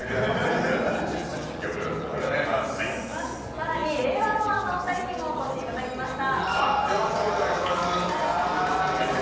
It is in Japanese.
更に令和ロマンのお二人にもお越しいただきました。